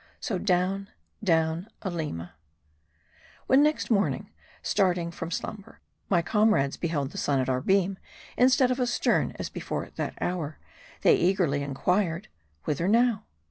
So down, down, Aleema. When next morning, starting from slumber, my comrades beheld the sun on our beam, instead of astern as before at that hour, they eagerly inquired, " Whither now